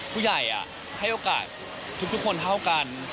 ผู้ใหญ่ให้โอกาสทุกคนเท่ากัน